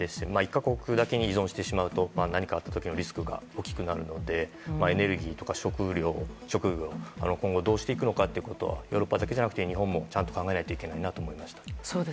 １か国だけに依存するとリスクが大きくなるのでエネルギーとか食料を今後どうしていくのかということはヨーロッパだけじゃなくて日本もちゃんと考えないといけないなと思いました。